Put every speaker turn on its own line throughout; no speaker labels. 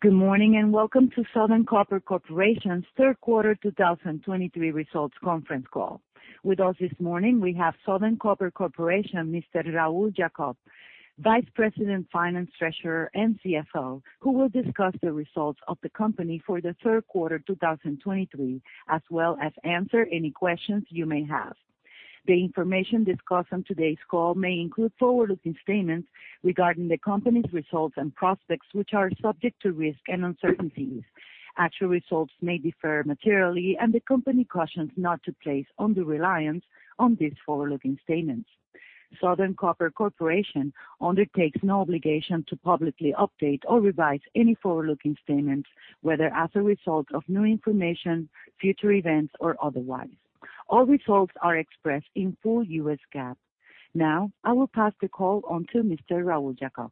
Good morning, and welcome to Southern Copper Corporation's Q3 2023 results conference call. With us this morning, we have Southern Copper Corporation, Mr. Raúl Jacob, Vice President, Finance, Treasurer, and CFO, who will discuss the results of the company for the Q3 2023, as well as answer any questions you may have. The information discussed on today's call may include forward-looking statements regarding the company's results and prospects, which are subject to risk and uncertainties. Actual results may differ materially, and the company cautions not to place undue reliance on these forward-looking statements. Southern Copper Corporation undertakes no obligation to publicly update or revise any forward-looking statements, whether as a result of new information, future events, or otherwise. All results are expressed in full U.S. GAAP. Now, I will pass the call on to Mr. Raúl Jacob.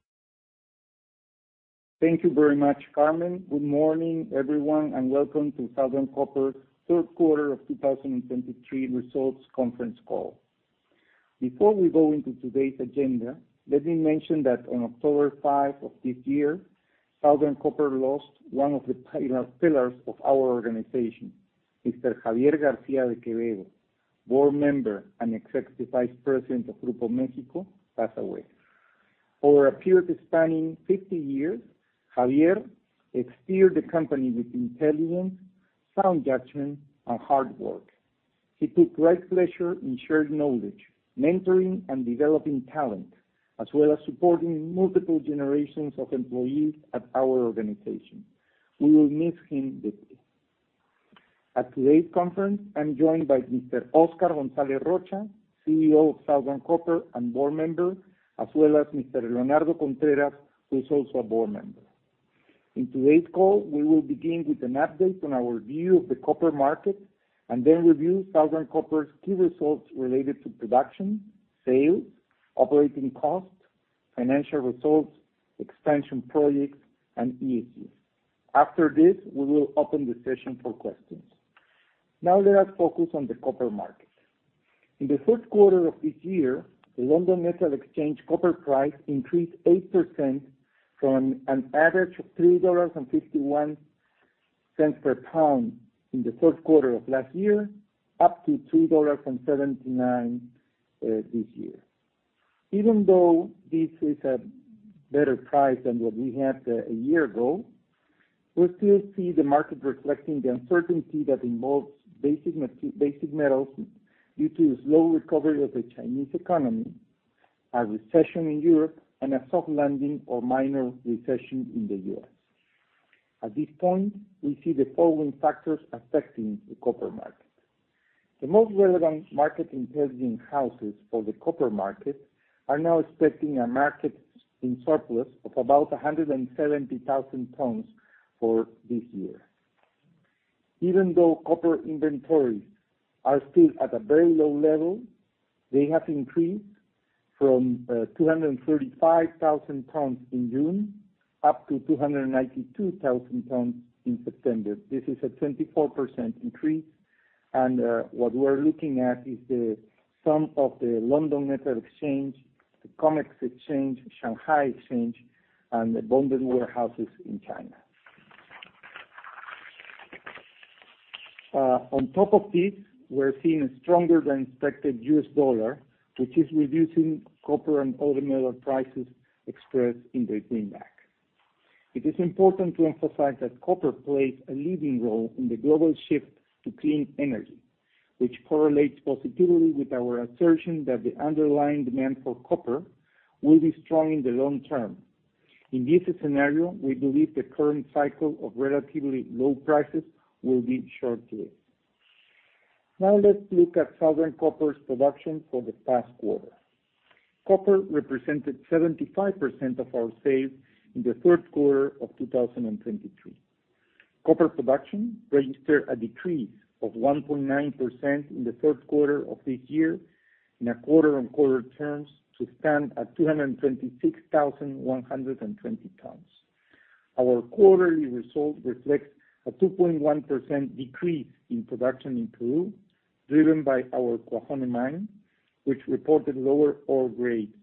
Thank you very much, Carmen. Good morning, everyone, and welcome to Southern Copper Q3 of 2023 results conference call. Before we go into today's agenda, let me mention that on October 5 of this year, Southern Copper lost one of the pillars of our organization. Mr. Xavier García de Quevedo, board member and Executive Vice President of Grupo México, passed away. Over a period spanning 50 years, Xavier steered the company with intelligence, sound judgment, and hard work. He took great pleasure in sharing knowledge, mentoring and developing talent, as well as supporting multiple generations of employees at our organization. We will miss him deeply. At today's conference, I'm joined by Mr. Oscar González Rocha, CEO of Southern Copper and board member, as well as Mr. Leonardo Contreras, who is also a board member. In today's call, we will begin with an update on our view of the copper market, and then review Southern Copper's key results related to production, sales, operating costs, financial results, expansion projects, and ESG. After this, we will open the session for questions. Now let us focus on the copper market. In the Q3 of this year, the London Metal Exchange copper price increased 8% from an average of $3.51 per pound in the Q3 of last year, up to $2.79 this year. Even though this is a better price than what we had a year ago, we still see the market reflecting the uncertainty that involves basic metals due to the slow recovery of the Chinese economy, a recession in Europe, and a soft landing or minor recession in the U.S. At this point, we see the following factors affecting the copper market. The most relevant market intelligence houses for the copper market are now expecting a market in surplus of about 170,000 tons for this year. Even though copper inventories are still at a very low level, they have increased from, 235,000 tons in June up to 292,000 tons in September. This is a 24% increase, and, what we're looking at is the sum of the London Metal Exchange, the COMEX Exchange, Shanghai Exchange, and the bonded warehouses in China. On top of this, we're seeing a stronger than expected U.S. dollar, which is reducing copper and other metal prices expressed in the greenback. It is important to emphasize that copper plays a leading role in the global shift to clean energy, which correlates positively with our assertion that the underlying demand for copper will be strong in the long term. In this scenario, we believe the current cycle of relatively low prices will be short-lived. Now let's look at Southern Copper's production for the past quarter. Copper represented 75% of our sales in the Q3 of 2023. Copper production registered a decrease of 1.9% in the Q3 of this year, in a quarter-on-quarter terms, to stand at 226,120 tons. Our quarterly result reflects a 2.1% decrease in production in Peru, driven by our Cuajone mine, which reported lower ore grades.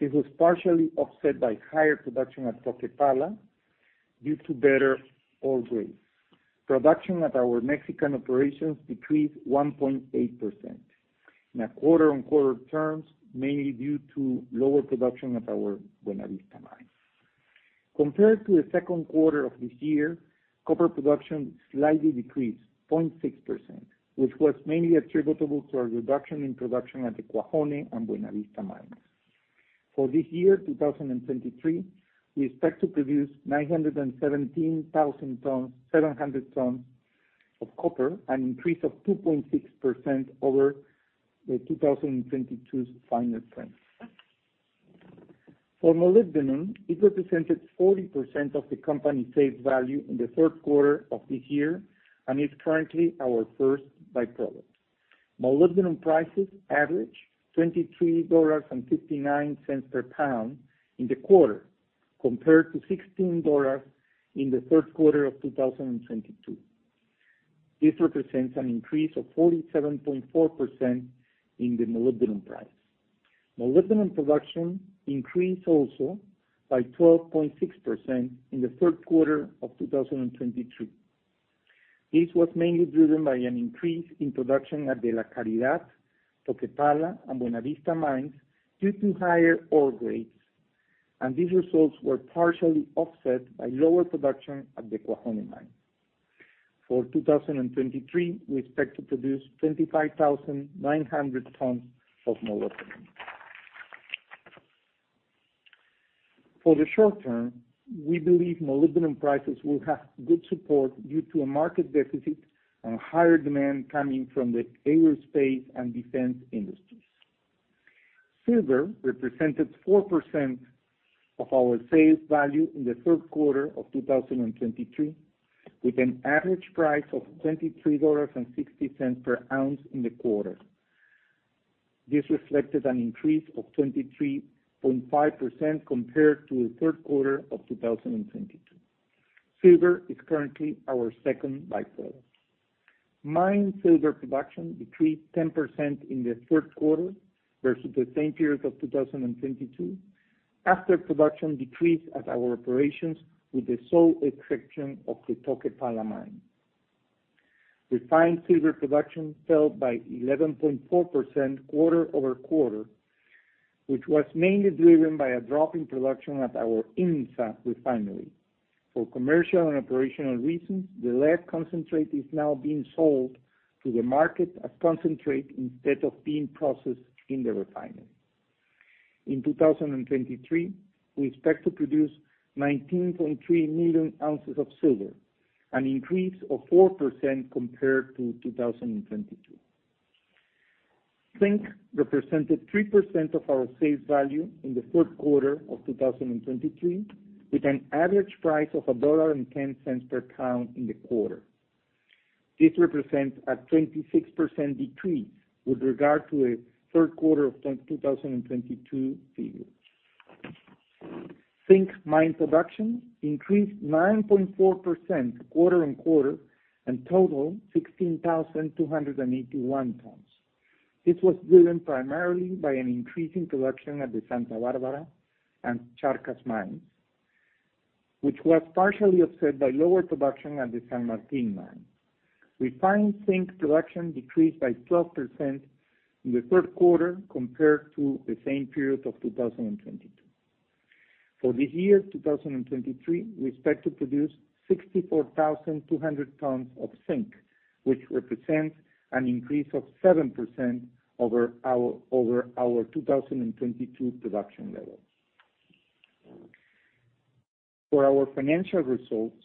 This was partially offset by higher production at Toquepala due to better ore grades. Production at our Mexican operations decreased 1.8%. In a quarter-on-quarter terms, mainly due to lower production at our Buenavista mine. Compared to the Q2 of this year, copper production slightly decreased 0.6%, which was mainly attributable to a reduction in production at the Cuajone and Buenavista mines. For this year, 2023, we expect to produce 917,700 tons of copper, an increase of 2.6% over the 2022's final trend. For molybdenum, it represented 40% of the company's sales value in the Q3 of this year, and is currently our first by-product. Molybdenum prices averaged $23.59 per pound in the quarter, compared to $16 in the Q3 of 2022. This represents an increase of 47.4% in the molybdenum price. Molybdenum production increased also by 12.6% in the Q3 of 2022. This was mainly driven by an increase in production at the La Caridad, Toquepala, and Buenavista mines, due to higher ore grades, and these results were partially offset by lower production at the Cuajone mine. For 2023, we expect to produce 25,900 tons of molybdenum. For the short term, we believe molybdenum prices will have good support due to a market deficit and a higher demand coming from the aerospace and defense industries. Silver represented 4% of our sales value in the Q3 of 2023, with an average price of $23.60 per ounce in the quarter. This reflected an increase of 23.5% compared to the Q3 of 2022. Silver is currently our second by-product. Mine silver production decreased 10% in the Q3 versus the same period of 2022, after production decreased at our operations, with the sole exception of the Toquepala mine. Refined silver production fell by 11.4% quarter-over-quarter, which was mainly driven by a drop in production at our IMMSA refinery. For commercial and operational reasons, the lead concentrate is now being sold to the market as concentrate instead of being processed in the refinery. In 2023, we expect to produce 19.3 million ounces of silver, an increase of 4% compared to 2022. Zinc represented 3% of our sales value in the Q3 of 2023, with an average price of $1.10 per pound in the quarter. This represents a 26% decrease with regard to the Q3 of 2022 figures. Zinc mine production increased 9.4% quarter-on-quarter and totaled 16,281 tons. This was driven primarily by an increase in production at the Santa Bárbara and Charcas mines, which was partially offset by lower production at the San Martín mine. Refined zinc production decreased by 12% in the Q3 compared to the same period of 2022. For the year 2023, we expect to produce 64,200 tons of zinc, which represents an increase of 7% over our 2022 production level. For our financial results,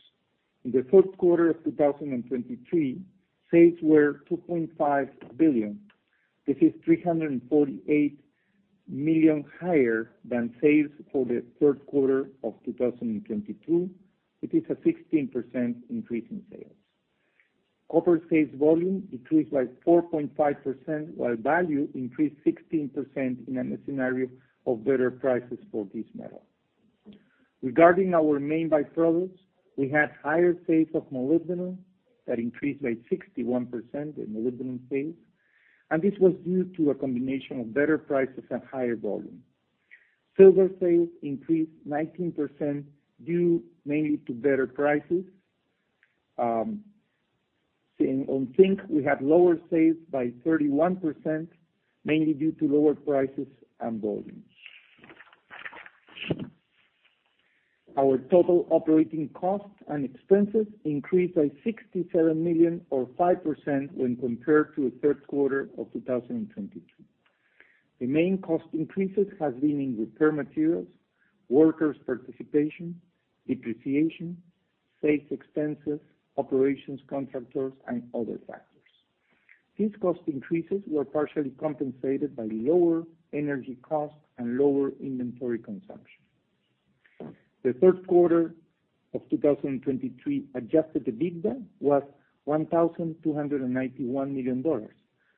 in the Q3 of 2023, sales were $2.5 billion. This is $348 million higher than sales for the Q3 of 2022, which is a 16% increase in sales. Copper sales volume increased by 4.5%, while value increased 16% in a scenario of better prices for this metal. Regarding our main by-products, we had higher sales of molybdenum. That increased by 61% in molybdenum sales, and this was due to a combination of better prices and higher volume. Silver sales increased 19%, due mainly to better prices. Same on zinc, we had lower sales by 31%, mainly due to lower prices and volume. Our total operating costs and expenses increased by $67 million, or 5%, when compared to the Q3 of 2022. The main cost increases has been in repair materials, workers' participation, depreciation, sales expenses, operations contractors, and other factors. These cost increases were partially compensated by lower energy costs and lower inventory consumption. The Q3 of 2023 Adjusted EBITDA was $1,291 million,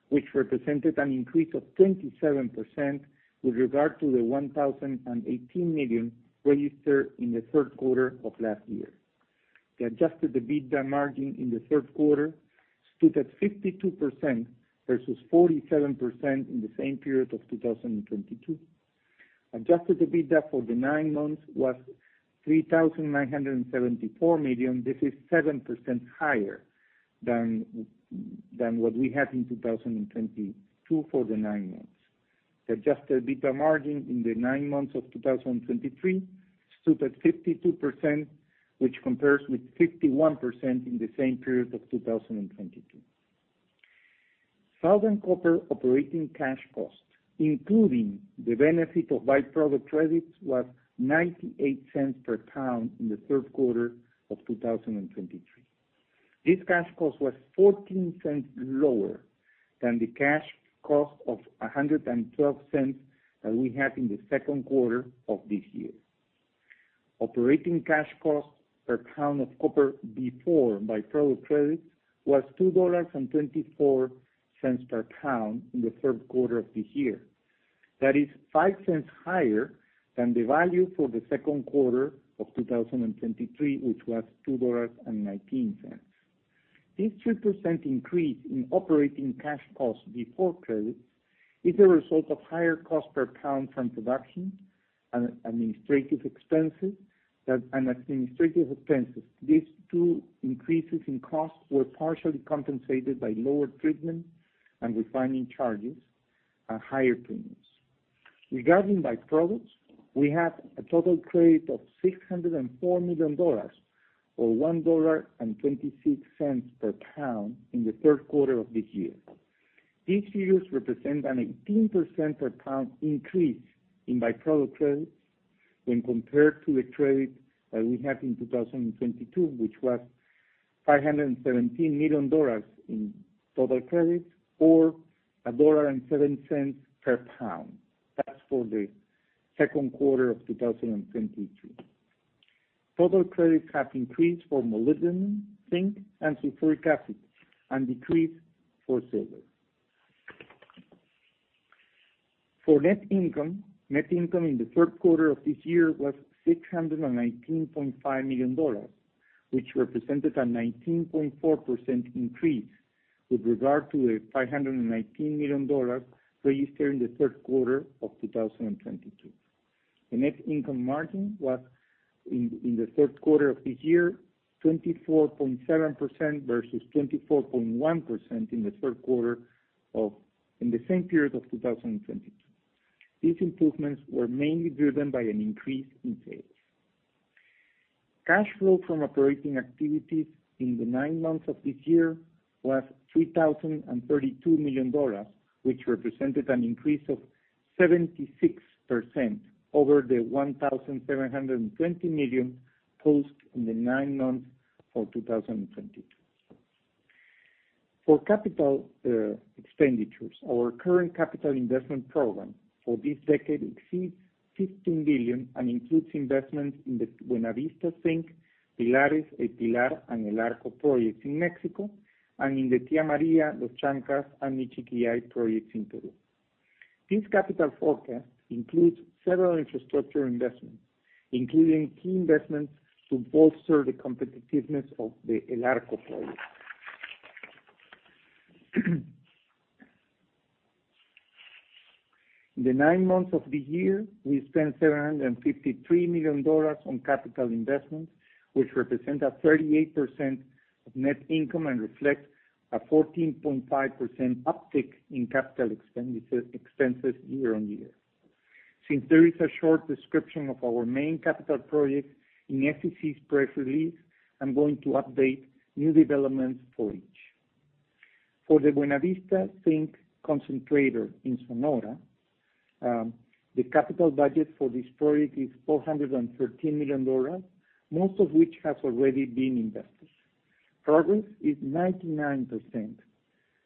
which represented an increase of 27% with regard to the $1,018 million registered in the Q3 of last year. The Adjusted EBITDA margin in the Q3 stood at 52% versus 47% in the same period of 2022. Adjusted EBITDA for the nine months was $3,974 million. This is 7% higher than what we had in 2022 for the nine months. The adjusted EBITDA margin in the nine months of 2023 stood at 52%, which compares with 51% in the same period of 2022. Southern Copper operating cash costs, including the benefit of by-product credits, was $0.98 per pound in the Q3 of 2023. This cash cost was $0.14 lower than the cash cost of $1.12 that we had in the Q2 of this year. Operating cash cost per pound of copper before by-product credit was $2.24 per pound in the Q3 of the year.... That is $0.05 higher than the value for the Q2 of 2023, which was $2.19. This 3% increase in operating cash costs before credits is a result of higher cost per pound from production and administrative expenses. These two increases in costs were partially compensated by lower treatment and refining charges and higher premiums. Regarding by-products, we have a total credit of $604 million, or $1.26 per pound, in the Q3 of this year. This year represent an 18% per pound increase in by-product credits when compared to the credit that we had in 2022, which was $517 million in total credits or $1.07 per pound. That's for the Q2 of 2022. Total credits have increased for molybdenum, zinc, and sulfuric acid, and decreased for silver. For net income, net income in the Q3 of this year was $619.5 million, which represented a 19.4% increase with regard to the $519 million registered in the Q3 of 2022. The net income margin was in the Q3 of this year 24.7% versus 24.1% in the same period of 2022. These improvements were mainly driven by an increase in sales. Cash flow from operating activities in the nine months of this year was $3,032 million, which represented an increase of 76% over the $1,720 million posted in the nine months for 2022. For capital expenditures, our current capital investment program for this decade exceeds $15 billion and includes investments in the Buenavista Zinc, Pilares, El Pilar, and El Arco projects in México, and in the Tía María, Los Chancas, and Michiquillay projects in Peru. This capital forecast includes several infrastructure investments, including key investments to bolster the competitiveness of the El Arco project. In the nine months of the year, we spent $753 million on capital investments, which represent a 38% of net income and reflects a 14.5% uptick in capital expenses year-on-year. Since there is a short description of our main capital projects in SEC's press release, I'm going to update new developments for each. For the Buenavista Zinc Concentrator in Sonora, the capital budget for this project is $413 million, most of which has already been invested. Progress is 99%,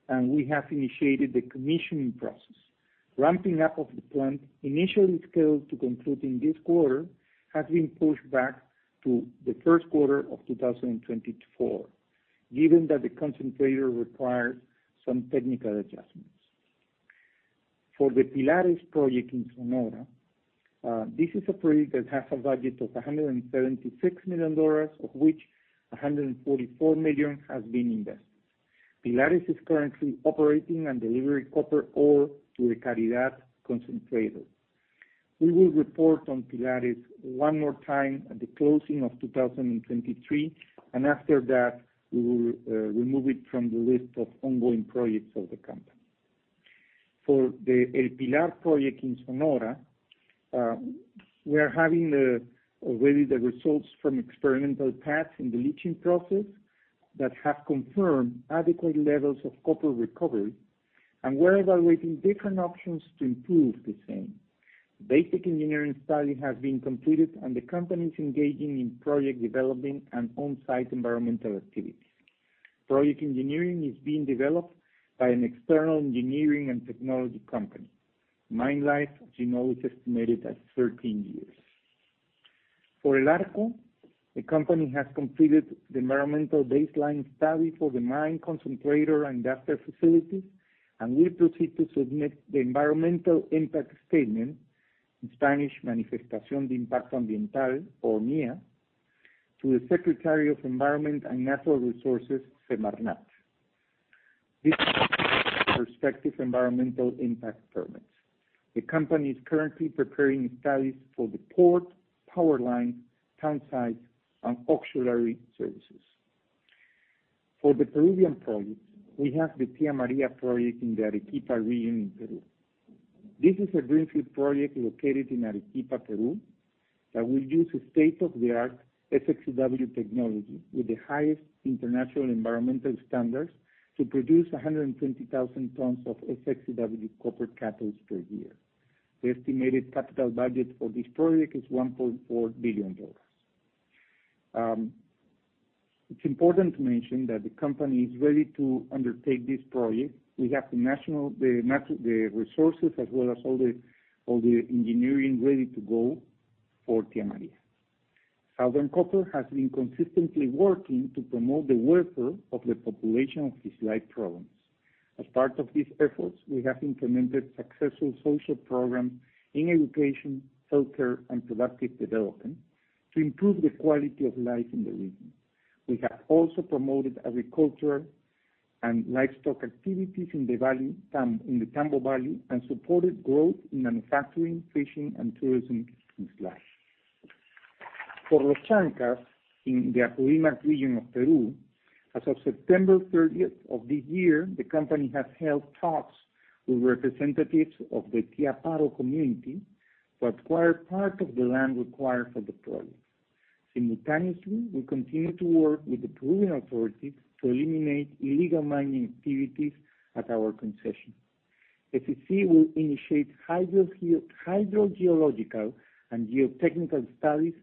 and we have initiated the commissioning process. Ramping up of the plant, initially scheduled to conclude in this quarter, has been pushed back to the Q1 of 2024, given that the concentrator requires some technical adjustments. For the Pilares project in Sonora, this is a project that has a budget of $176 million, of which $144 million has been invested. Pilares is currently operating and delivering copper ore to the La Caridad concentrator. We will report on Pilares one more time at the closing of 2023, and after that, we will remove it from the list of ongoing projects of the company. For the El Pilar project in Sonora, we are having already the results from experimental tests in the leaching process that have confirmed adequate levels of copper recovery, and we're evaluating different options to improve the same. Basic engineering study has been completed, and the company is engaging in project development and on-site environmental activities. Project engineering is being developed by an external engineering and technology company. Mine life, as you know, is estimated at 13 years. For El Arco, the company has completed the environmental baseline study for the mine concentrator and crusher facilities, and will proceed to submit the environmental impact statement, in Spanish, Manifestación de Impacto Ambiental, or MIA, to the Secretary of Environment and Natural Resources, SEMARNAT. This prospective environmental impact permits. The company is currently preparing studies for the port, power line, townsite, and auxiliary services. For the Peruvian projects, we have the Tía María project in the Arequipa region in Peru. This is a greenfield project located in Arequipa, Peru, that will use a state-of-the-art SX-EW technology with the highest international environmental standards to produce 120,000 tons of SX-EW copper cathodes per year. The estimated capital budget for this project is $1.4 billion. It's important to mention that the company is ready to undertake this project. We have the natural resources, as well as all the engineering ready to go for Tía María. Southern Copper has been consistently working to promote the welfare of the population through its local programs. As part of these efforts, we have implemented successful social programs in education, healthcare, and productive development to improve the quality of life in the region. We have also promoted agriculture and livestock activities in the valley, in the Tambo Valley, and supported growth in manufacturing, fishing, and tourism in the area. For Los Chancas in the Apurímac region of Peru, as of September 30 of this year, the company has held talks with representatives of the Tiaparo community to acquire part of the land required for the project. Simultaneously, we continue to work with the Peruvian authorities to eliminate illegal mining activities at our concession. SCC will initiate hydrogeological and geotechnical studies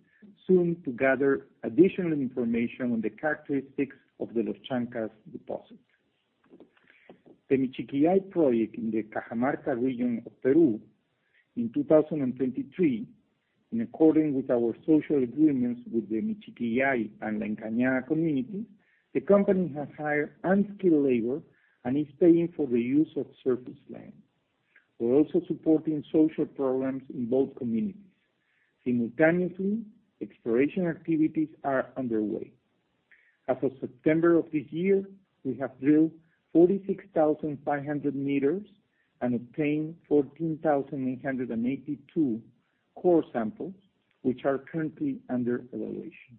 soon to gather additional information on the characteristics of the Los Chancas deposit. The Michiquillay project in the Cajamarca region of Peru, in 2023, in accordance with our social agreements with the Michiquillay and the Encañada community, the company has hired unskilled labor and is paying for the use of surface land. We're also supporting social programs in both communities. Simultaneously, exploration activities are underway. As of September of this year, we have drilled 46,500 meters and obtained 14,882 core samples, which are currently under evaluation.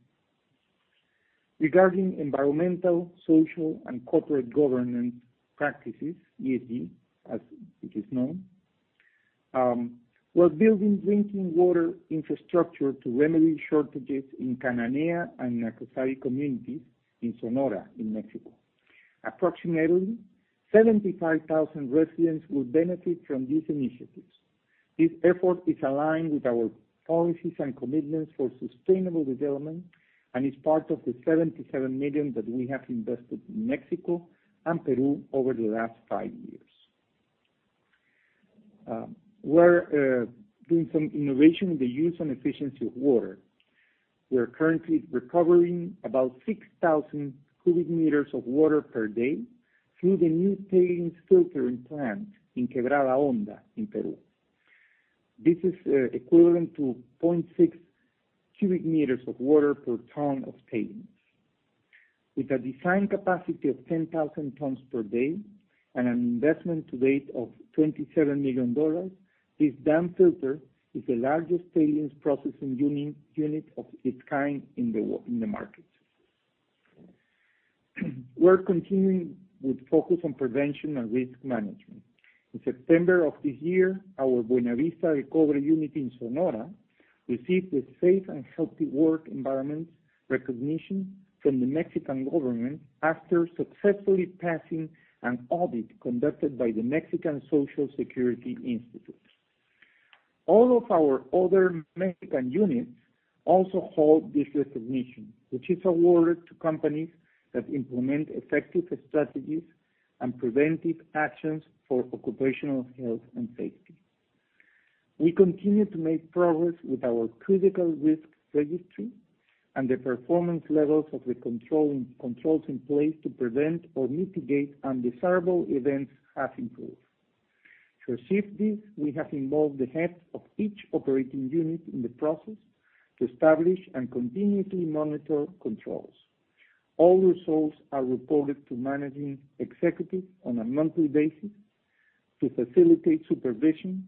Regarding environmental, social, and corporate governance practices, ESG, as it is known, we're building drinking water infrastructure to remedy shortages in Cananea and Nacozari communities in Sonora, in México. Approximately 75,000 residents will benefit from these initiatives. This effort is aligned with our policies and commitments for sustainable development, and is part of the $77 million that we have invested in México and Peru over the last 5 years. We're doing some innovation in the use and efficiency of water. We are currently recovering about 6,000 cubic meters of water per day through the new tailings filtering plant in Quebrada Honda, in Peru. This is equivalent to 0.6 cubic meters of water per ton of tailings. With a design capacity of 10,000 tons per day and an investment to date of $27 million, this dam filter is the largest tailings processing unit of its kind in the market. We're continuing with focus on prevention and risk management. In September of this year, our Buenavista del Cobre unit in Sonora received the Safe and Healthy Work Environment recognition from the Mexican government after successfully passing an audit conducted by the Mexican Social Security Institute. All of our other Mexican units also hold this recognition, which is awarded to companies that implement effective strategies and preventive actions for occupational health and safety. We continue to make progress with our critical risk registry, and the performance levels of the controls in place to prevent or mitigate undesirable events have improved. To achieve this, we have involved the head of each operating unit in the process to establish and continuously monitor controls. All results are reported to managing executives on a monthly basis to facilitate supervision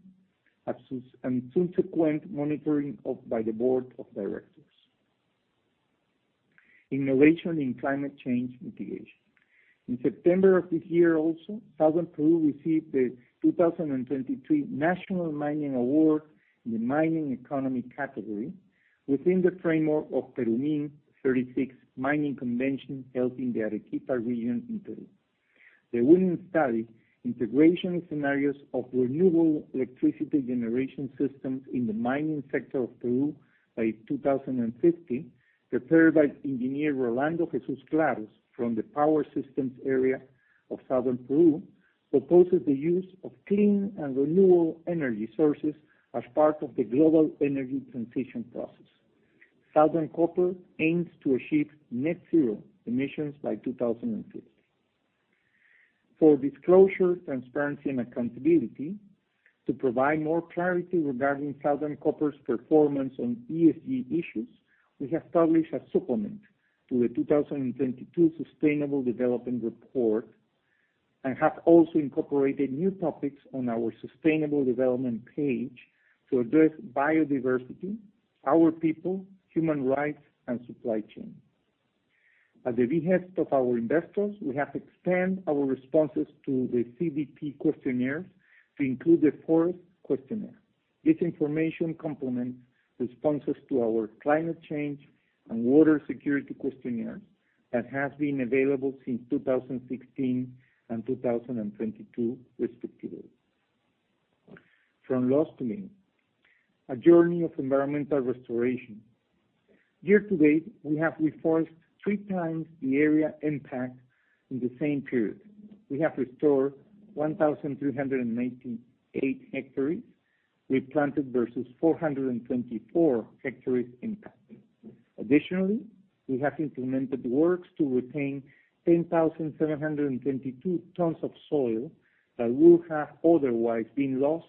and subsequent monitoring by the board of directors. Innovation in climate change mitigation. In September of this year also, Southern Peru received the 2023 National Mining Award in the mining economy category, within the framework of PERUMIN 36 Mining Convention, held in the Arequipa region in Peru. The winning study, Integration Scenarios of Renewable Electricity Generation Systems in the Mining Sector of Peru by 2050, prepared by Engineer Rolando Jesús Claros from the Power Systems Area of Southern Peru, proposes the use of clean and renewable energy sources as part of the global energy transition process. Southern Copper aims to achieve net zero emissions by 2050. For disclosure, transparency, and accountability, to provide more clarity regarding Southern Copper's performance on ESG issues, we have published a supplement to the 2022 Sustainable Development Report, and have also incorporated new topics on our sustainable development page to address biodiversity, our people, human rights, and supply chain. At the behest of our investors, we have expanded our responses to the CDP questionnaire to include the fourth questionnaire. This information complements responses to our climate change and water security questionnaires that has been available since 2016 and 2022, respectively. From lost to me, a journey of environmental restoration. Year to date, we have reforested three times the area impacted in the same period. We have restored 1,398 hectares we planted versus 424 hectares impacted. Additionally, we have implemented works to retain 10,722 tons of soil that would have otherwise been lost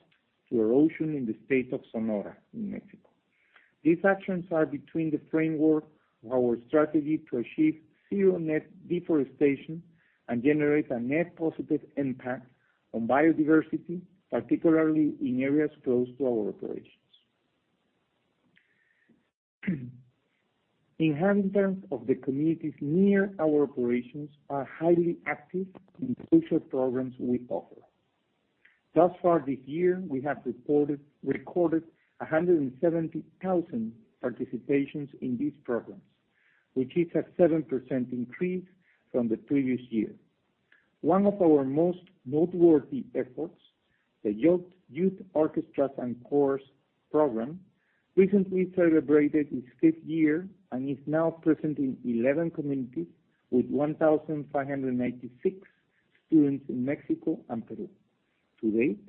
to erosion in the state of Sonora, in México. These actions are between the framework of our strategy to achieve zero net deforestation and generate a net positive impact on biodiversity, particularly in areas close to our operations. Inhabitants of the communities near our operations are highly active in social programs we offer. Thus far this year, we have recorded 170,000 participations in these programs, which is a 7% increase from the previous year. One of our most noteworthy efforts, the Youth Orchestras and Chorus program, recently celebrated its fifth year and is now present in 11 communities, with 1,596 students in México and Peru. To date,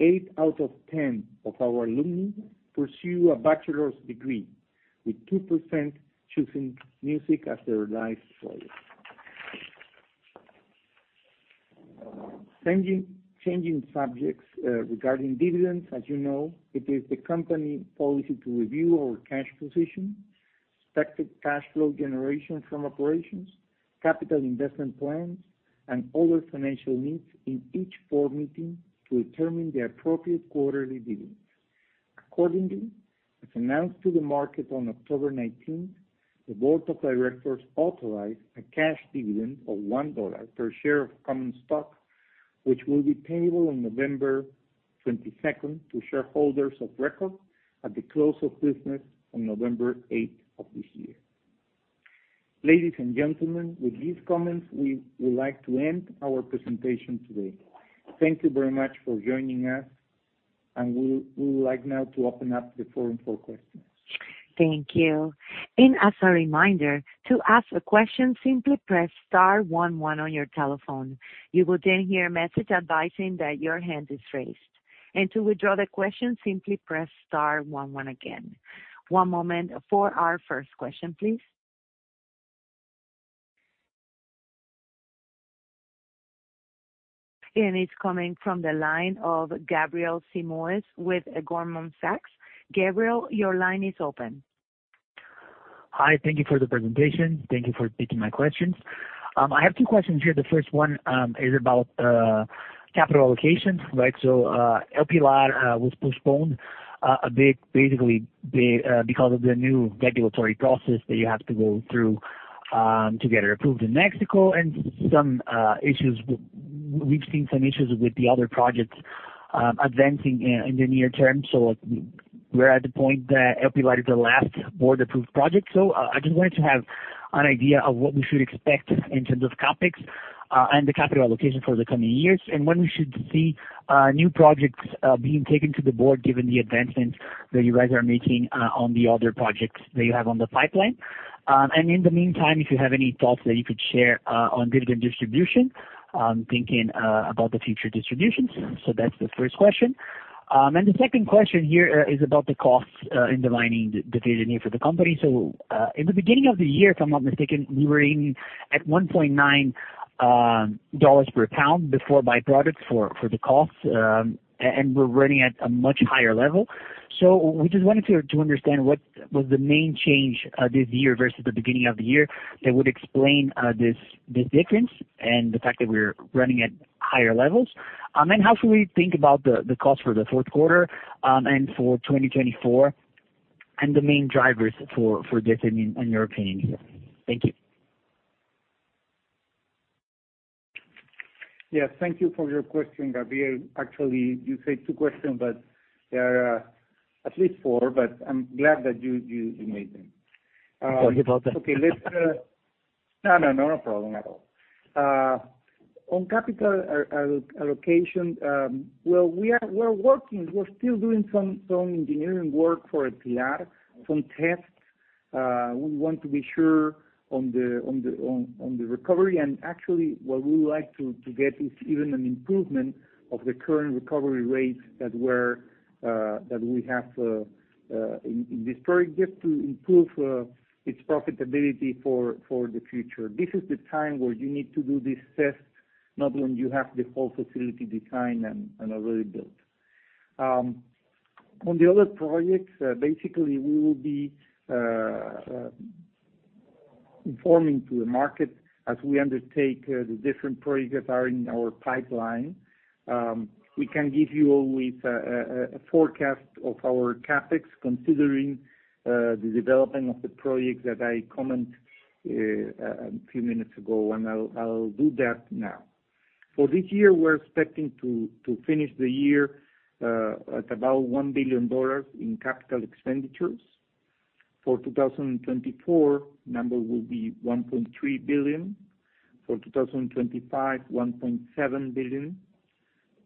8 out of 10 of our alumni pursue a bachelor's degree, with 2% choosing music as their life's work. Changing, changing subjects, regarding dividends, as you know, it is the company policy to review our cash position, expected cash flow generation from operations, capital investment plans, and other financial needs in each board meeting to determine the appropriate quarterly dividends. Accordingly, as announced to the market on October 19, the board of directors authorized a cash dividend of $1 per share of common stock, which will be payable on November 22 to shareholders of record, at the close of business on November 8 of this year. Ladies and gentlemen, with these comments, we would like to end our presentation today. Thank you very much for joining us, and we, we would like now to open up the forum for questions.
Thank you. As a reminder, to ask a question, simply press star one one on your telephone. You will then hear a message advising that your hand is raised. To withdraw the question, simply press star one one again. One moment for our first question, please. It's coming from the line of Gabriel Simões with Goldman Sachs. Gabriel, your line is open.
Hi, thank you for the presentation. Thank you for taking my questions. I have two questions here. The first one is about capital allocation. Right, so El Pilar was postponed basically because of the new regulatory process that you have to go through to get it approved in México, and some issues with—we've seen some issues with the other projects advancing in the near term. So we're at the point that El Pilar is the last board-approved project. So, I just wanted to have an idea of what we should expect in terms of CapEx, and the capital allocation for the coming years, and when we should see new projects being taken to the board, given the advancements that you guys are making on the other projects that you have on the pipeline. And in the meantime, if you have any thoughts that you could share on dividend distribution, thinking about the future distributions. So that's the first question. And the second question here is about the costs in the mining division for the company. So, in the beginning of the year, if I'm not mistaken, we were in at $1.9 per pound before byproducts for the costs, and we're running at a much higher level. So we just wanted to understand what was the main change this year versus the beginning of the year that would explain this difference and the fact that we're running at higher levels. And how should we think about the cost for the Q4 and for 2024, and the main drivers for this in your opinion here? Thank you.
Yes, thank you for your question, Gabriel. Actually, you said two questions, but there are at least four, but I'm glad that you made them.
Sorry about that.
Okay, let's, no, no, no, not a problem at all. On capital allocation, well, we're working. We're still doing some engineering work for El Pilar, some tests. We want to be sure on the recovery. And actually, what we would like to get is even an improvement of the current recovery rates that we have in this project, to improve its profitability for the future. This is the time where you need to do these tests, not when you have the whole facility designed and already built. On the other projects, basically, we will be informing to the market as we undertake the different projects that are in our pipeline. We can give you always a forecast of our CapEx, considering the development of the projects that I comment a few minutes ago, and I'll do that now. For this year, we're expecting to finish the year at about $1 billion in capital expenditures. For 2024, number will be $1.3 billion. For 2025, $1.7 billion.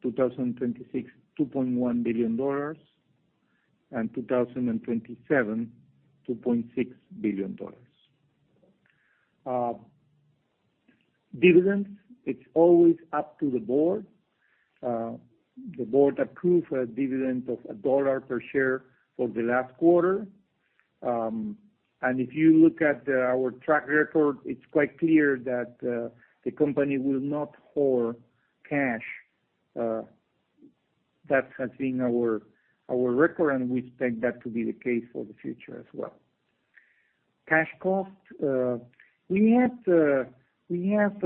2026, $2.1 billion and 2027, $2.6 billion. Dividends, it's always up to the board. The board approved a dividend of $1 per share for the last quarter. And if you look at our track record, it's quite clear that the company will not hoard cash. That has been our record, and we expect that to be the case for the future as well. Cash cost, we had, we have,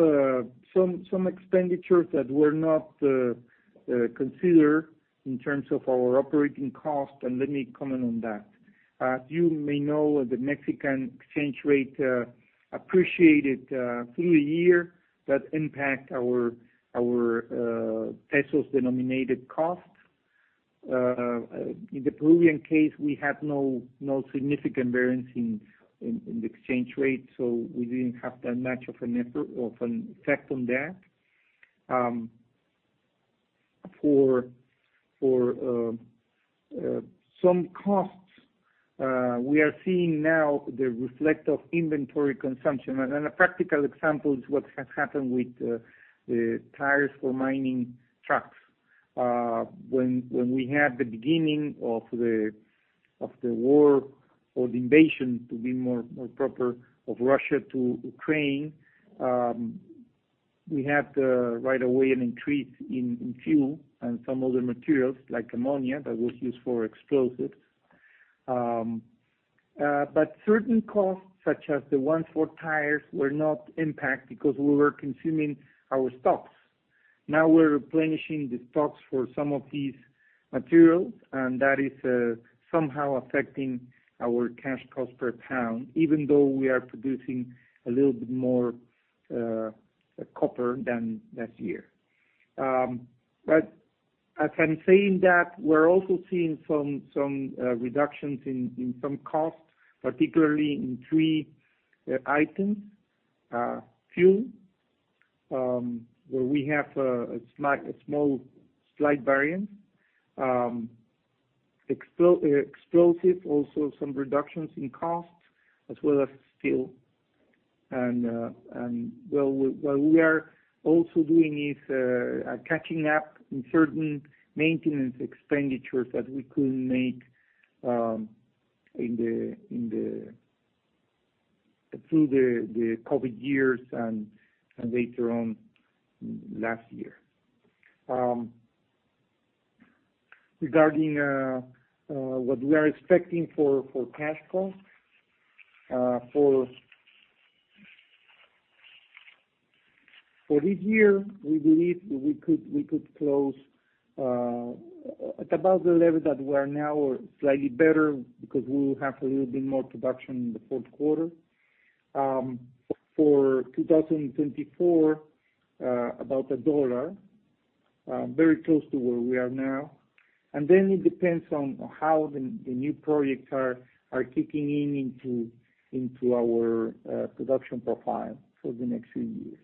some expenditures that were not considered in terms of our operating cost, and let me comment on that. As you may know, the Mexican exchange rate appreciated through the year. That impacted our pesos-denominated costs. In the Peruvian case, we had no significant variance in the exchange rate, so we didn't have that much of an effort or an effect on that. For some costs, we are seeing now the effect of inventory consumption. And a practical example is what has happened with the tires for mining trucks. When we had the beginning of the war, or the invasion, to be more proper, of Russia to Ukraine, we had right away an increase in fuel and some other materials, like ammonia, that was used for explosives. But certain costs, such as the ones for tires, were not impacted because we were consuming our stocks. Now, we're replenishing the stocks for some of these materials, and that is somehow affecting our cash cost per pound, even though we are producing a little bit more copper than last year. But as I'm saying that, we're also seeing some reductions in some costs, particularly in three items. Fuel, where we have a slight variance. Explosive, also some reductions in costs, as well as steel. And what we are also doing is catching up in certain maintenance expenditures that we couldn't make in the through the COVID years and later on last year. Regarding what we are expecting for cash flow for this year, we believe we could close at about the level that we are now or slightly better because we will have a little bit more production in the Q4. For 2024, about $1 very close to where we are now. And then it depends on how the new projects are kicking in into our production profile for the next few years.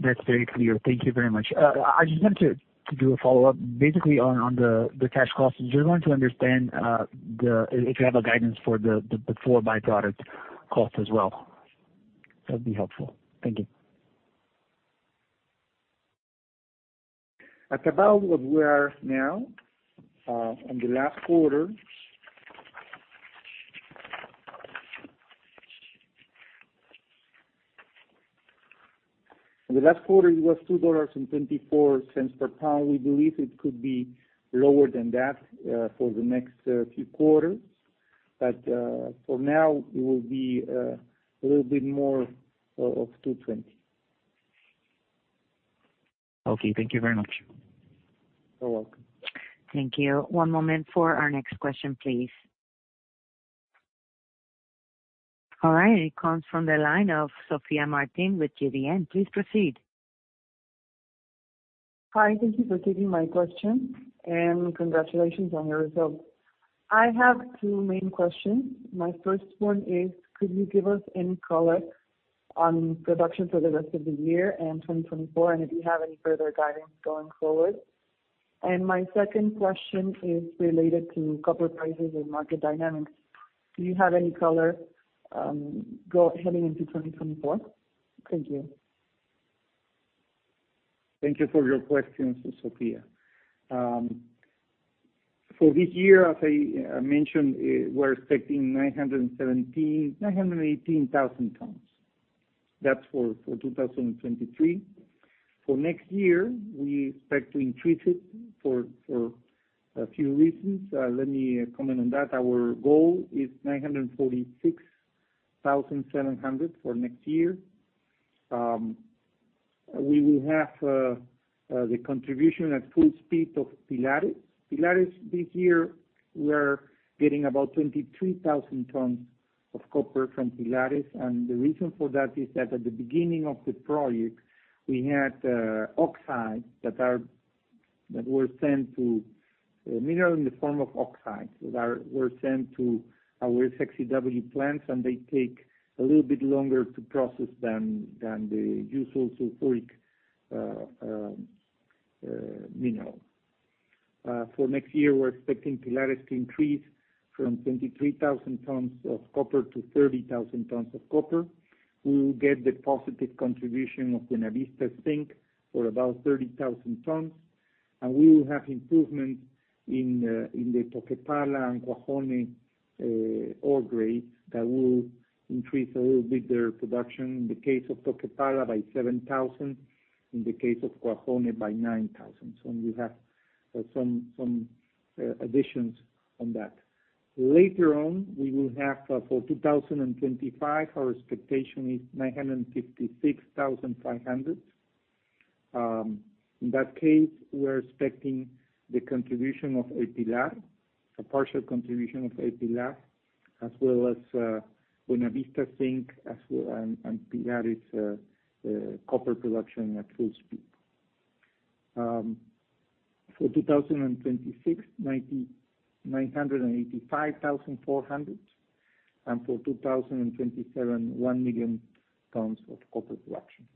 That's very clear. Thank you very much. I just wanted to do a follow-up, basically on the cash costs. Just want to understand if you have guidance for the by-product cost as well. That'd be helpful. Thank you.
At about what we are now, on the last quarter. In the last quarter, it was $2.24 per pound. We believe it could be lower than that, for the next, few quarters. But, for now, it will be, a little bit more of, of $2.20.
Okay. Thank you very much.
You're welcome.
Thank you. One moment for our next question, please. All right, it comes from the line of Sofia Martin with GBM. Please proceed.
Hi, thank you for taking my question, and congratulations on your results. I have two main questions. My first one is, could you give us any color on production for the rest of the year and 2024, and if you have any further guidance going forward? And my second question is related to copper prices and market dynamics. Do you have any color heading into 2024? Thank you.
Thank you for your questions, Sofia. For this year, as I mentioned, we're expecting 917, 918 thousand tons. That's for 2023. For next year, we expect to increase it for a few reasons. Let me comment on that. Our goal is 946,700 for next year. We will have the contribution at full speed of Pilares. Pilares, this year, we are getting about 23,000 tons of copper from Pilares. And the reason for that is that at the beginning of the project, we had oxides that were sent to mineral in the form of oxides, that were sent to our SX-EW plants, and they take a little bit longer to process than the usual sulfide mineral. For next year, we're expecting Pilares to increase from 23,000 tons of copper to 30,000 tons of copper. We will get the positive contribution of the Buenavista zinc for about 30,000 tons, and we will have improvements in the Toquepala and Cuajone ore grades that will increase a little bit their production, in the case of Toquepala, by 7,000, in the case of Cuajone, by 9,000. So we have some additions on that. Later on, we will have for 2025, our expectation is 956,500. In that case, we're expecting the contribution of El Pilar, a partial contribution of El Pilar, as well as Buenavista zinc as well, and Pilares copper production at full speed. For 2026, 998,500 tons of copper production, and for 2027, 1,000,000 tons of copper production.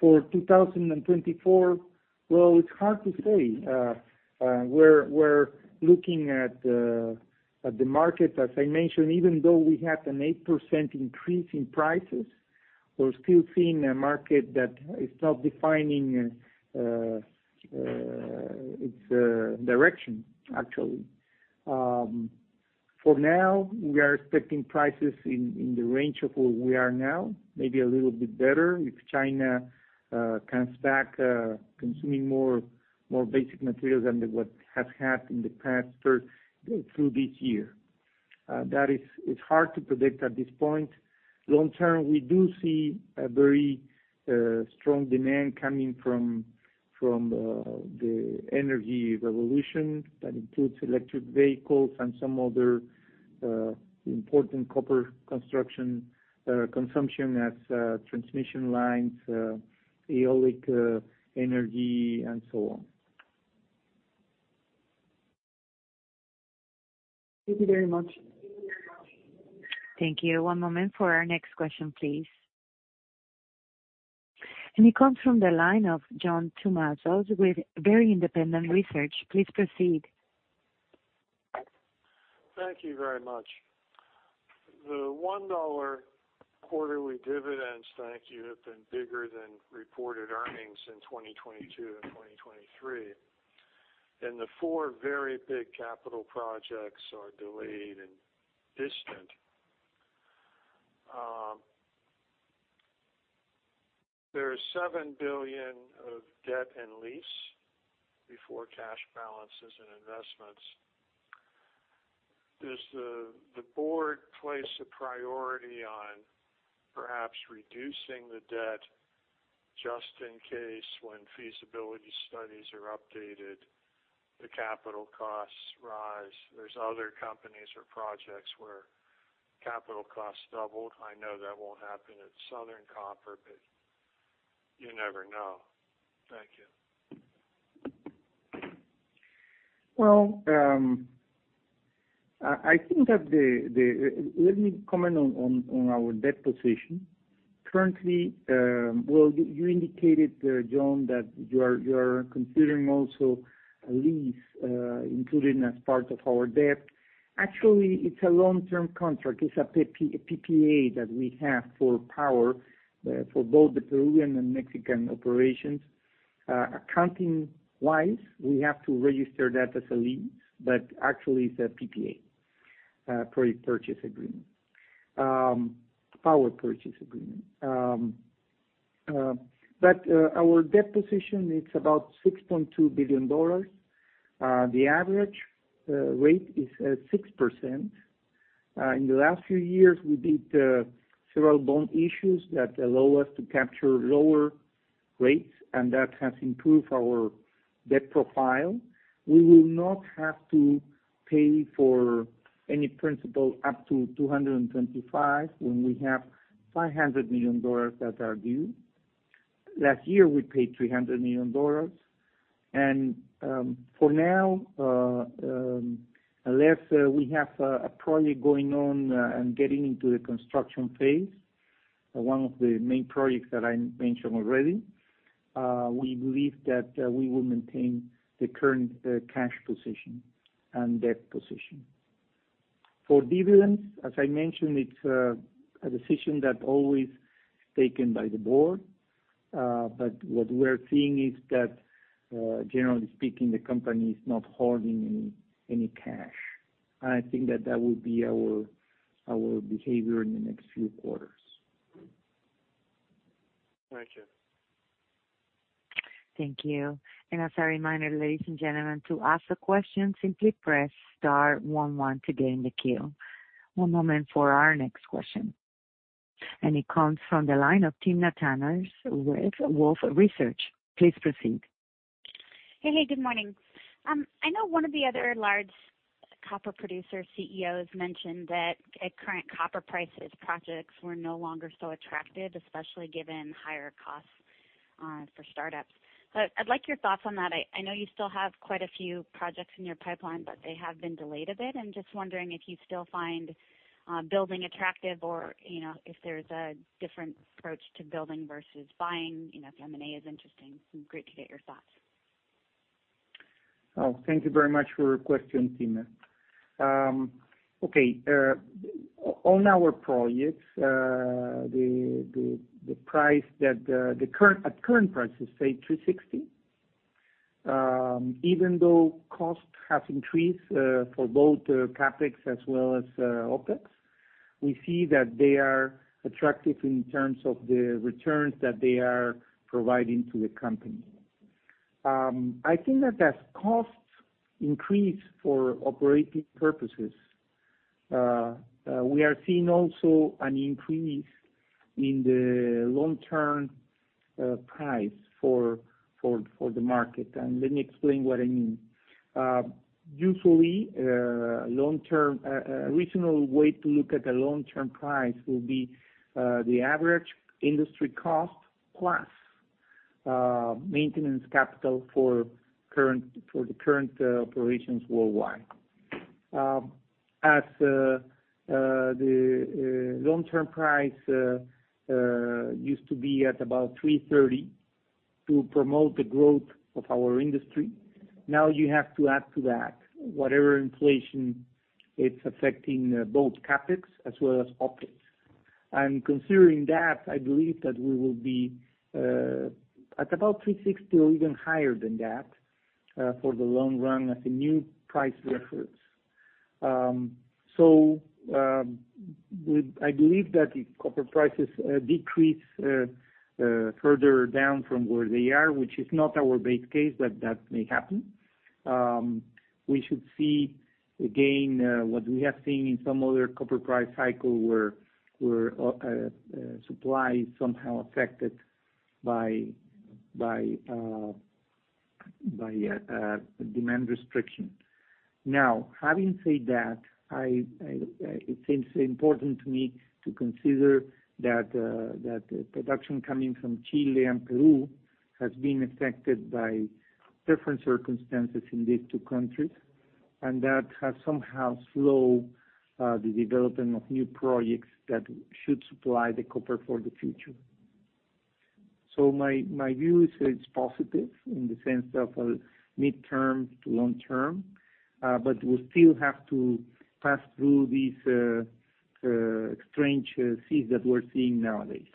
For 2024, well, it's hard to say. We're looking at the market. As I mentioned, even though we had an 8% increase in prices, we're still seeing a market that is not defining its direction, actually. For now, we are expecting prices in the range of where we are now, maybe a little bit better if China comes back consuming more basic materials than what has had in the past third through this year. It's hard to predict at this point. Long term, we do see a very strong demand coming from the energy revolution. That includes electric vehicles and some other important copper construction consumption as transmission lines, eolic energy, and so on.
Thank you very much.
Thank you. One moment for our next question, please. It comes from the line of John Tumazos with Very Independent Research. Please proceed.
Thank you very much. The $1 quarterly dividends, thank you, have been bigger than reported earnings in 2022 and 2023, and the four very big capital projects are delayed and distant. There is $7 billion of debt and lease before cash balances and investments. Does the board place a priority on perhaps reducing the debt just in case when feasibility studies are updated, the capital costs rise? There's other companies or projects where capital costs doubled. I know that won't happen at Southern Copper, but you never know. Thank you.
Well, let me comment on our debt position. Currently, well, you indicated, John, that you are considering also a lease included as part of our debt. Actually, it's a long-term contract. It's a PPA that we have for power for both the Peruvian and Mexican operations. Accounting-wise, we have to register that as a lease, but actually it's a PPA, Power Purchase Agreement, Power Purchase Agreement. But our debt position is about $6.2 billion. The average rate is at 6%. In the last few years, we did several bond issues that allow us to capture lower rates, and that has improved our debt profile. We will not have to pay for any principal up to 2025 when we have $500 million that are due. Last year, we paid $300 million. For now, unless we have a project going on and getting into the construction phase, one of the main projects that I mentioned already, we believe that we will maintain the current cash position and debt position. For dividends, as I mentioned, it's a decision that always taken by the board. But what we're seeing is that, generally speaking, the company is not hoarding any cash. I think that that will be our behavior in the next few quarters.
Thank you.
Thank you. And as a reminder, ladies and gentlemen, to ask a question, simply press star one one to get in the queue. One moment for our next question, and it comes from the line of Timna Tanners with Wolfe Research. Please proceed.
Hey, good morning. I know one of the other large copper producer CEOs mentioned that at current copper prices, projects were no longer so attractive, especially given higher costs for startups. But I'd like your thoughts on that. I know you still have quite a few projects in your pipeline, but they have been delayed a bit. I'm just wondering if you still find building attractive or, you know, if there's a different approach to building versus buying, you know, if M&A is interesting. Great to get your thoughts.
Oh, thank you very much for your question, Tina. Okay, on our projects, the current price at current prices, say $2.60, even though cost has increased, for both CapEx as well as OpEx, we see that they are attractive in terms of the returns that they are providing to the company. I think that as costs increase for operating purposes, we are seeing also an increase in the long-term price for the market. And let me explain what I mean. Usually, long-term reasonable way to look at the long-term price will be the average industry cost, plus maintenance capital for the current operations worldwide. As the long-term price used to be at about $3.30 to promote the growth of our industry, now you have to add to that whatever inflation it's affecting both CapEx as well as OpEx. And considering that, I believe that we will be at about $3.60 or even higher than that for the long run as a new price reference. So, I believe that if copper prices decrease further down from where they are, which is not our base case, but that may happen, we should see, again, what we have seen in some other copper price cycle where supply is somehow affected by a demand restriction. Now, having said that, it seems important to me to consider that the production coming from Chile and Peru has been affected by different circumstances in these two countries, and that has somehow slowed the development of new projects that should supply the copper for the future. So my view is it's positive in the sense of a midterm to long term, but we still have to pass through these strange seas that we're seeing nowadays.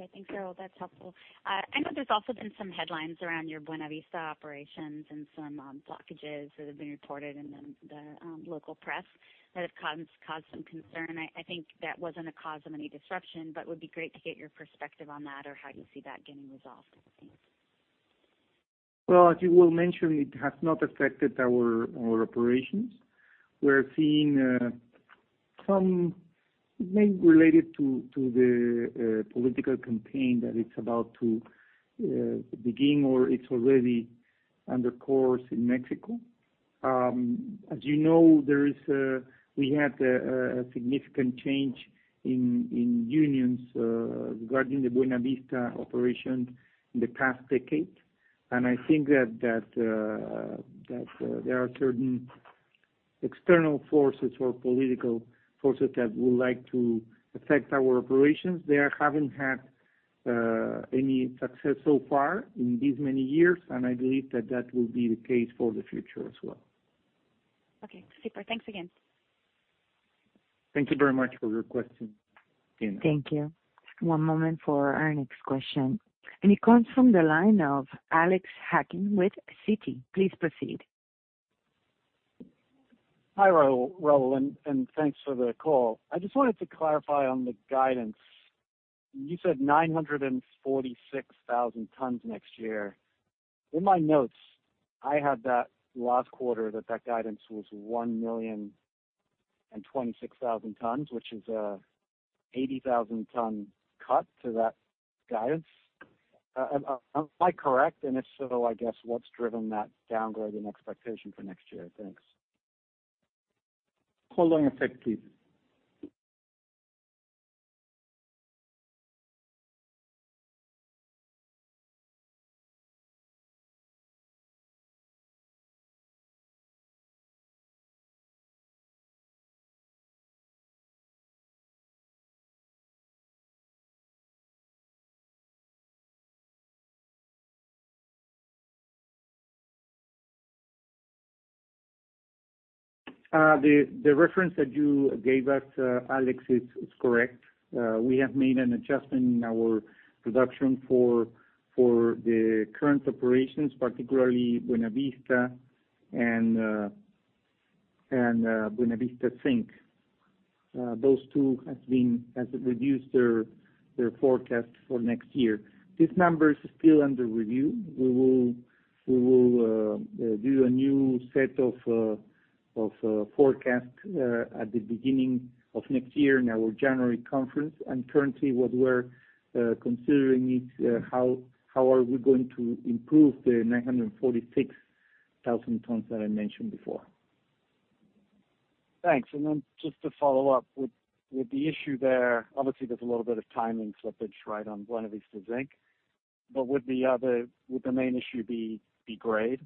Okay, thanks, Raúl. That's helpful. I know there's also been some headlines around your Buenavista operations and some blockages that have been reported in the local press that have caused some concern. I think that wasn't a cause of any disruption, but would be great to get your perspective on that or how you see that getting resolved. Thanks.
Well, as you well mentioned, it has not affected our operations. We're seeing some maybe related to the political campaign that it's about to begin, or it's already underway in México. As you know, we had a significant change in unions regarding the Buenavista operation in the past decade. And I think that there are certain external forces or political forces that would like to affect our operations. They haven't had any success so far in these many years, and I believe that will be the case for the future as well.
Okay, super. Thanks again.
Thank you very much for your question, Timna.
Thank you. One moment for our next question, and it comes from the line of Alex Hacking with Citi. Please proceed.
Hi, Raúl, and thanks for the call. I just wanted to clarify on the guidance. You said 946,000 tons next year. In my notes, I had that last quarter, that guidance was 1,026,000 tons, which is an 80,000-ton cut to that guidance. Am I correct? And if so, I guess what's driven that downgrade in expectation for next year? Thanks.
Hold on a sec, please. The reference that you gave us, Alex, is correct. We have made an adjustment in our production for the current operations, particularly Buenavista and Buenavista Zinc. Those two has reduced their forecast for next year. This number is still under review. We will do a new set of forecasts at the beginning of next year in our January conference. Currently, what we're considering is how are we going to improve the 946,000 tons that I mentioned before?
Thanks. And then just to follow up, would, with the issue there, obviously there's a little bit of timing slippage, right, on Buenavista Zinc. But would the other, would the main issue be, be grade?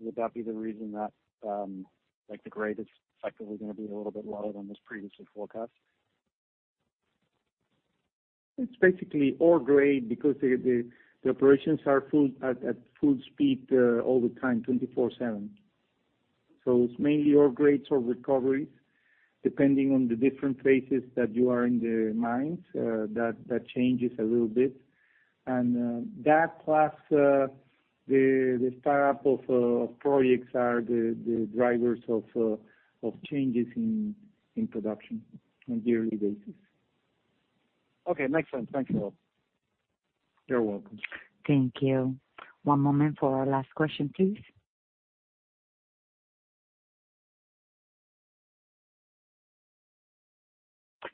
Would that be the reason that, like, the grade is effectively going to be a little bit lower than was previously forecast?
It's basically ore grade because the operations are full, at full speed, 24/7. So it's mainly ore grades or recoveries, depending on the different phases that you are in the mines, that changes a little bit. And that, plus the start-up of projects are the drivers of changes in production on a yearly basis.
Okay, makes sense. Thank you, Raúl.
You're welcome.
Thank you. One moment for our last question, please.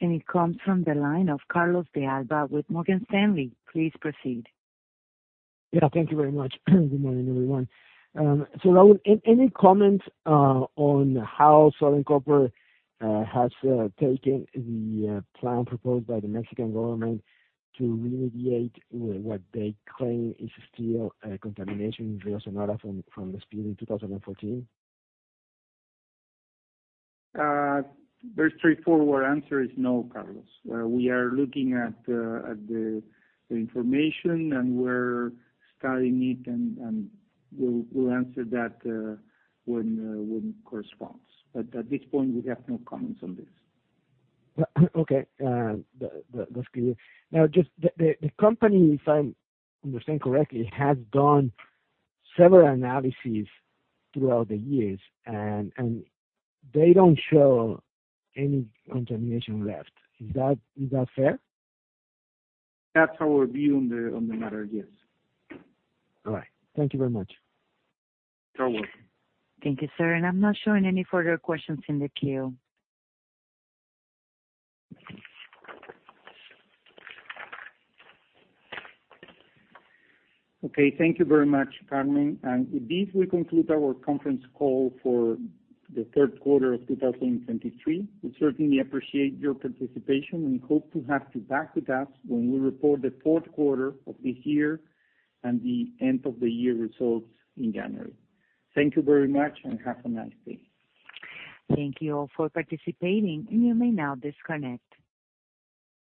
It comes from the line of Carlos de Alba with Morgan Stanley. Please proceed.
Yeah, thank you very much. Good morning, everyone. So Raúl, any comments on how Southern Copper has taken the plan proposed by the Mexican government to remediate what they claim is still contamination in Río Sonora from the spill in 2014?
Very straightforward answer is no, Carlos. We are looking at the information, and we're studying it, and we'll answer that when it corresponds. But at this point, we have no comments on this.
Okay, that, that's clear. Now, just the company, if I understand correctly, has done several analyses throughout the years, and they don't show any contamination left. Is that fair?
That's our view on the matter, yes.
All right. Thank you very much.
You're welcome.
Thank you, sir. I'm not showing any further questions in the queue.
Okay, thank you very much, Carmen. With this, we conclude our conference call for the Q3 of 2023. We certainly appreciate your participation and hope to have you back with us when we report the Q4 of this year and the end-of-the-year results in January. Thank you very much, and have a nice day.
Thank you all for participating, and you may now disconnect.